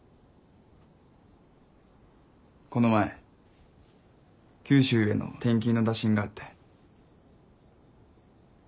この前九州への転勤の打診があって。